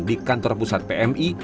di kantor pusat pmi